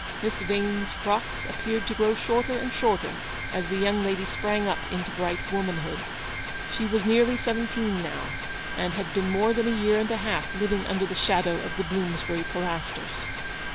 Miss Vane's frocks appeared to grow shorter and shorter as the young lady sprang up into bright womanhood. She was nearly seventeen now, and had been more than a year and a half living nnder the shadow of the Blooms bury Pilasters.